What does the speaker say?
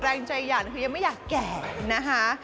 แรงใจหั่นคือยังไม่อยากแก่นะคะ